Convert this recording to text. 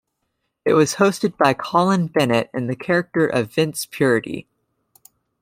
It was hosted by Colin Bennett in the character of Vince Purity.